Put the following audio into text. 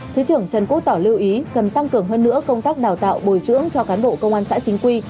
thứ trưởng trần quốc tỏ lưu ý cần tăng cường hơn nữa công tác đào tạo bồi dưỡng cho cán bộ công an xã chính quy